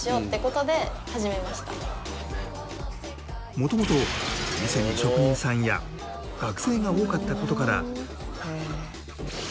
元々お店に職人さんや学生が多かった事から。